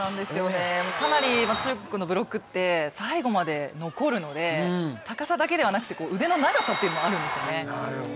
かなり中国のブロックって最後まで残るので、高さだけではなくて腕の長さというのもあるんですよね。